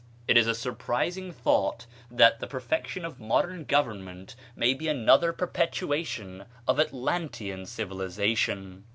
It is a surprising thought that the perfection of modern government may be another perpetuation of Atlantean civilization.